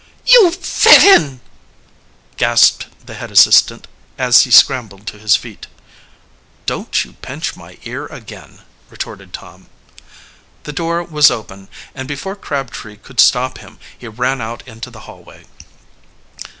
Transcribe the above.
"You villain!" gasped the head assistant, as he scrambled to his feet. "Don't you pinch my ear again," retorted Tom. The door was open, and before Crabtree could stop him he ran out into the hallway.